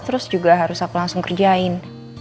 terus juga harus aku langsung kerjain